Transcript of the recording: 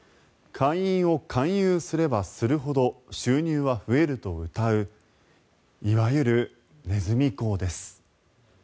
会員を勧誘すればするほど収入は増えるとうたういわゆるネズミ講です。